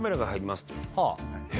え！